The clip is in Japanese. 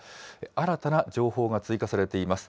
新たな情報が追加されています。